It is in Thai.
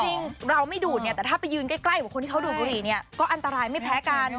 จริงเราไม่ดูดเนี่ยแต่ถ้าไปยืนใกล้กับคนที่เขาดูดบุหรี่เนี่ยก็อันตรายไม่แพ้กัน